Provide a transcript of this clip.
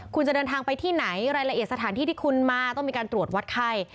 คุณจะเดินทางไปที่ไหนรายละเอียดสถานที่ที่คุณมาต้องมีการตรวจวัดไข้